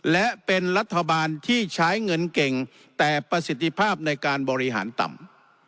และเป็นรัฐบาลที่ใช้เงินเก่งแต่ประสิทธิภาพในการบริหารต่ำ